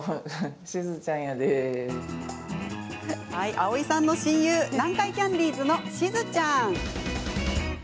蒼井さんの親友南海キャンディーズのしずちゃん。